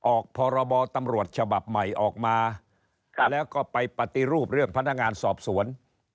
พรบตำรวจฉบับใหม่ออกมาแล้วก็ไปปฏิรูปเรื่องพนักงานสอบสวน